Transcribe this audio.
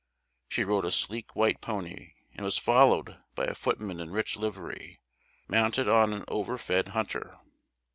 She rode a sleek white pony, and was followed by a footman in rich livery, mounted on an over fed hunter.